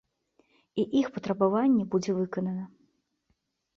І іх патрабаванне будзе выканана.